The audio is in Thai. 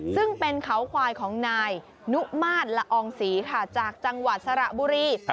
ซึ่งเป็นเขาควายของนายนุมาตรละอองศรีค่ะจากจังหวัดสระบุรี